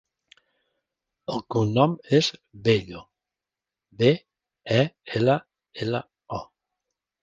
El cognom és Bello: be, e, ela, ela, o.